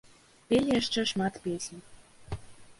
Пелі яшчэ шмат песень.